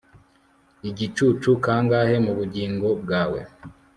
Igicucu kangahe mu bugingo bwawe